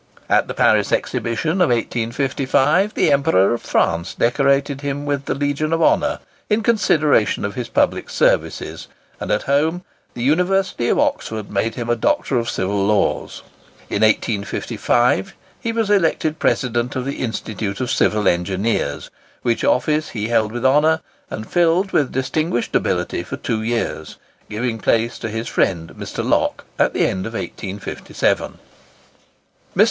At the Paris Exhibition of 1855 the Emperor of France decorated him with the Legion of Honour in consideration of his public services; and at home the University of Oxford made him a Doctor of Civil Laws. In 1855 he was elected President of the Institute of Civil Engineers, which office he held with honour and filled with distinguished ability for two years, giving place to his friend Mr. Locke at the end of 1857. Mr.